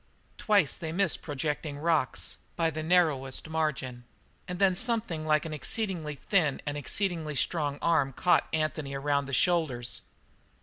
Twice they missed projecting rocks by the narrowest margin, and then something like an exceedingly thin and exceedingly strong arm caught Anthony around the shoulders.